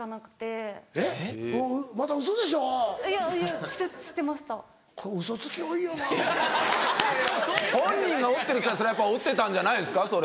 本人が折ってるって言ったらそれはやっぱ折ってたんじゃないですか？